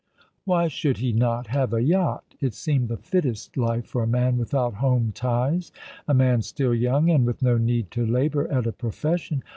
Why should he not have a yacht ? It seemed the fittest life for a man without home ties ; a man still young, and with no 'need to labour at a profession.